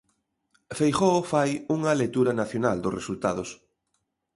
Feijóo fai unha lectura nacional dos resultados.